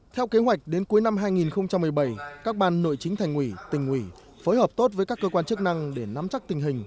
theo kế hoạch đến cuối năm hai nghìn một mươi bảy các ban nội chính thành ủy tỉnh ủy phối hợp tốt với các cơ quan chức năng để nắm chắc tình hình